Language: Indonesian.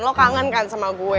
lu kangen kan sama gua